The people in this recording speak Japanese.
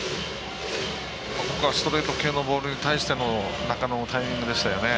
ここはストレート系のボールに対しての中野のタイミングでしたよね。